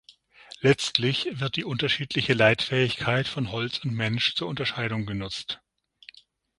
Letztlich wird die unterschiedliche Leitfähigkeit von Holz und Mensch zur Unterscheidung genutzt.